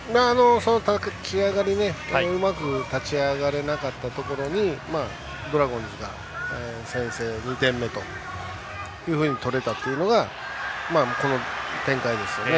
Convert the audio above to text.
立ち上がり、うまく立ち上がれなかったところにドラゴンズが先制２点目というふうに取れたというのがこの展開ですよね。